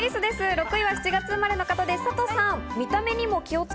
６位は７月生まれの方です、サトさん。